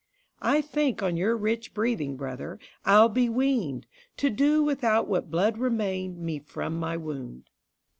I think on your rich breathing, brother, I'll be weaned To do without what blood remained me from my wound.